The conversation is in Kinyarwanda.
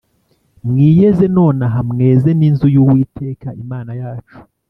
Mwiyeze nonaha mweze n inzu y uwiteka imana yacu